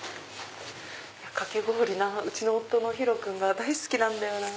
かき氷うちの夫のひろ君が大好きなんだよなぁ。